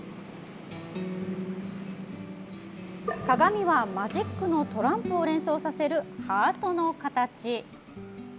鏡はマジックのトランプを連想させるハートの形。